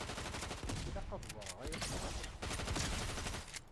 Tilaq ad ẓreɣ ad iyi-xedɛen.